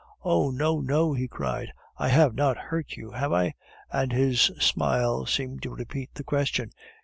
"Oh! no, no," he cried. "I have not hurt you, have I?" and his smile seemed to repeat the question.